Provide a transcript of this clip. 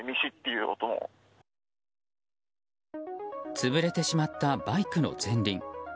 潰れてしまったバイクの前輪。